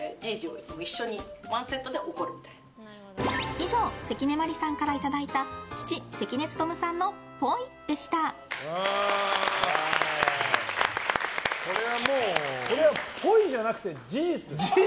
以上、関根麻里さんからいただいた父・関根勤さんのっぽいでした。これはっぽいじゃなくて事実です。